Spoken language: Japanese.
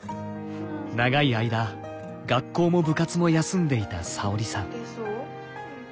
長い間学校も部活も休んでいた沙織さん。